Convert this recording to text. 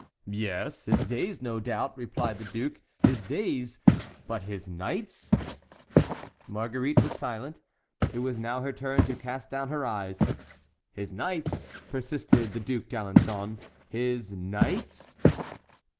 "Yes, his days, no doubt," replied the duke; "his days—but his nights?" Marguerite was silent; it was now her turn to cast down her eyes. "His nights," persisted the Duc d'Alençon, "his nights?"